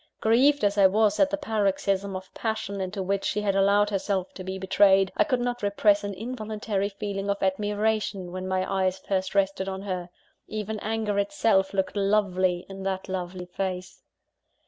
Grieved as I was at the paroxysm of passion into which she had allowed herself to be betrayed, I could not repress an involuntary feeling of admiration when my eyes first rested on her. Even anger itself looked lovely in that lovely face!